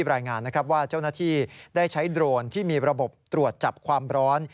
รายงานนะครับว่าเจ้าหน้าที่ได้ใช้โดรนที่มีระบบตรวจจับความร้อน